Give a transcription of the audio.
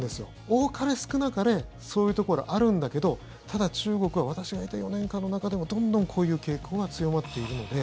多かれ少なかれそういうところはあるんだけどただ中国は私がいた４年間の中でもどんどんこういう傾向は強まっているので。